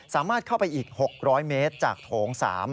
สามารถเข้าไปอีก๖๐๐เมตรจากโถง๓